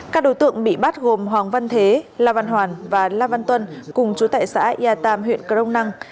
các đối tượng bị bắt gồm hoàng văn thế la văn hoàn và la văn tuân cùng chú tại xã yà tam huyện crong năng